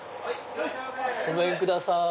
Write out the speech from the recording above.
ごめんください。